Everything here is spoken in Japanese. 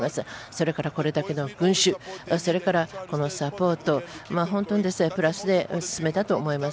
それからこれだけの群衆サポート本当にプラスで進めたと思います。